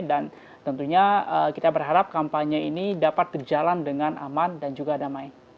dan tentunya kita berharap kampanye ini dapat berjalan dengan aman dan juga damai